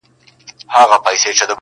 ښایسته ملکه سمه لېونۍ سوه-